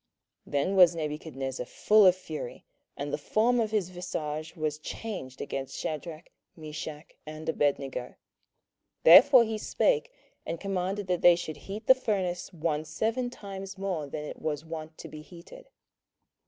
27:003:019 Then was Nebuchadnezzar full of fury, and the form of his visage was changed against Shadrach, Meshach, and Abednego: therefore he spake, and commanded that they should heat the furnace one seven times more than it was wont to be heated.